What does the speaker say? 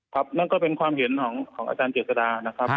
ครับนั่นก็เป็นความเห็นของอาจารย์เจษฎา